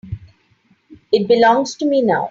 It belongs to me now.